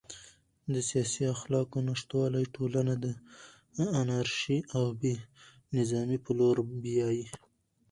د سیاسي اخلاقو نشتوالی ټولنه د انارشي او بې نظمۍ په لور بیايي.